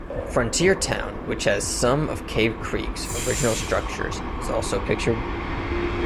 Frontier Town which has some of Cave Creeks original structures is also pictured.